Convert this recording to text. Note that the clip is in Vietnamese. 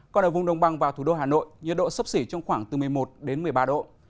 còn ở vùng đông băng và thủ đô hà nội nhiệt độ sấp xỉ trong khoảng từ một mươi một một mươi ba độ